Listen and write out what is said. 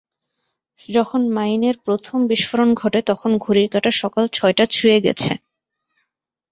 যখন মাইনের প্রথম বিস্ফোরণ ঘটে, তখন ঘড়ির কাঁটা সকাল ছয়টা ছুঁয়ে গেছে।